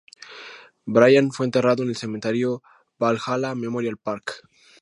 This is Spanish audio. Bryan fue enterrado en el Cementerio Valhalla Memorial Park.